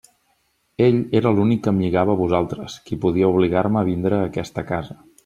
Ell era l'únic que em lligava a vosaltres, qui podia obligar-me a vindre a aquesta casa.